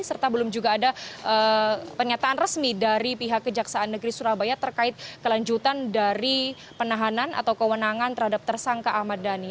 serta belum juga ada pernyataan resmi dari pihak kejaksaan negeri surabaya terkait kelanjutan dari penahanan atau kewenangan terhadap tersangka ahmad dhani